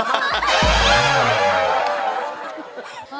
โอ้โฮ